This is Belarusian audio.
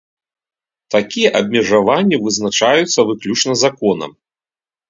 Такія абмежаванні вызначаюцца выключна законам.